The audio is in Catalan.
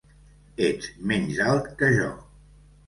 Ets menys alt que jo.